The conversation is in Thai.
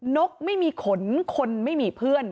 นกไม่มีขนคนไม่มีเพื่อน